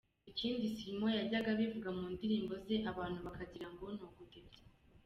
Bikindi Simon yajyaga abivuga mu ndirimbo ze, abantu bakagirango ni ugutebya!!!